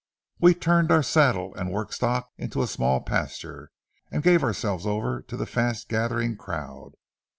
We turned our saddle and work stock into a small pasture, and gave ourselves over to the fast gathering crowd.